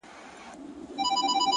اراده ناممکن کارونه ممکنوي.!